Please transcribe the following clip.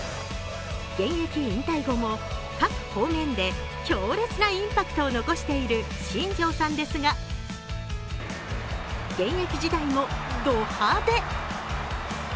現役引退後も各方面で強烈なインパクトを残している新庄さんですが、現役時代もド派手。